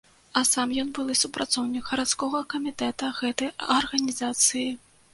А сам ён былы супрацоўнік гарадскога камітэта гэтай арганізацыі.